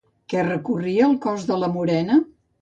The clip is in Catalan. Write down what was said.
Què recorria el cos de la morena?